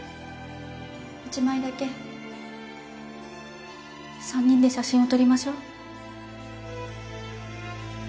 １枚だけ３人で写真を撮りましょう